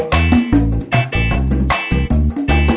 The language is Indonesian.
nanti makan siang di mana